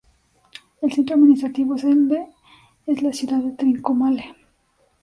El centro administrativo es la ciudad de Trincomalee.